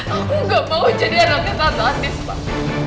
aku enggak mau jadi anaknya tata andis pak